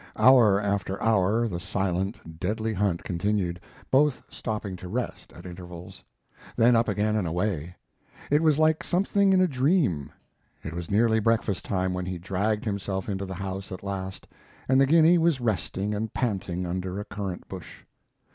Hour after hour the silent, deadly hunt continued, both stopping to rest at intervals; then up again and away. It was like something in a dream. It was nearly breakfast time when he dragged himself into the house at last, and the guinea was resting and panting under a currant bush.